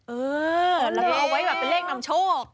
เออเอาไว้แบบเป็นเลขนำโชค